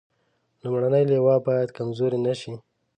لومړنۍ لواء باید کمزورې نه شي.